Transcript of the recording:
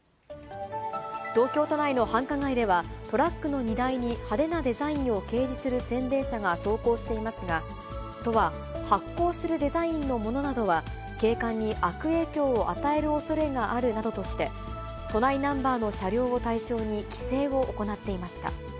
東京都内の繁華街では、トラックの荷台に派手なデザインを掲示する宣伝車が走行していますが、都は発光するデザインのものなどは景観に悪影響を与えるおそれがあるなどとして、都内ナンバーの車両を対象に規制を行っていました。